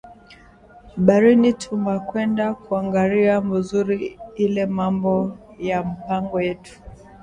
Barini tuma kwenda kuangaria muzuri ile mambo ya mpango yetu